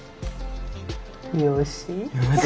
よし？